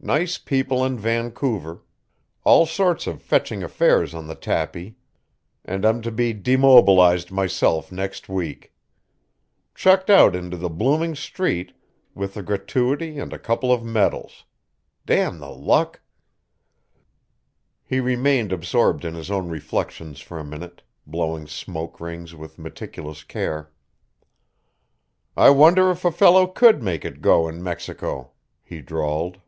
Nice people in Vancouver. All sorts of fetching affairs on the tapis. And I'm to be demobilized myself next week. Chucked out into the blooming street with a gratuity and a couple of medals. Damn the luck." He remained absorbed in his own reflections for a minute, blowing smoke rings with meticulous care. "I wonder if a fellow could make it go in Mexico?" he drawled.